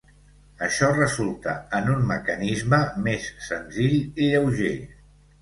Això resulta en un mecanisme més senzill i lleuger.